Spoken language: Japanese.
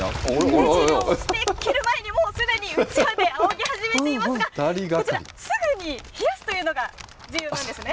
水けを切る前にすでにうちわであおぎ始めていますが、こちら、すぐに冷やすというのが重要なんですね。